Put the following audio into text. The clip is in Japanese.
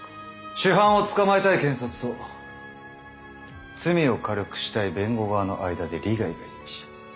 主犯を捕まえたい検察と罪を軽くしたい弁護側の間で利害が一致。